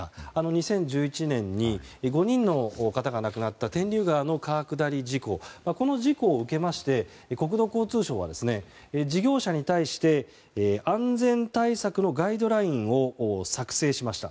２０１１年に５人の方が亡くなった天竜川の川下り事故この事故を受けて国土交通省は事業者に対して安全対策のガイドラインを作成しました。